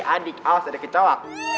eh adik awas ada kecoa